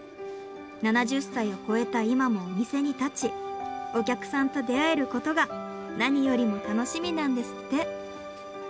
７０歳をこえた今もお店に立ちお客さんと出会えることが何よりも楽しみなんですって。